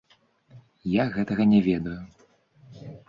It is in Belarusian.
Я гэтага не ведаю.